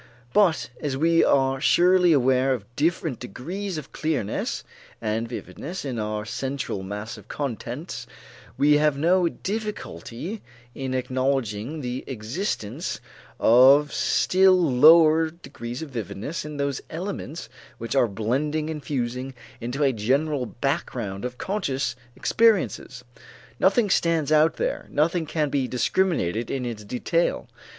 But as we are surely aware of different degrees of clearness and vividness in our central mass of contents, we have no difficulty in acknowledging the existence of still lower degrees of vividness in those elements which are blending and fusing into a general background of conscious experiences. Nothing stands out there, nothing can be discriminated in its detail.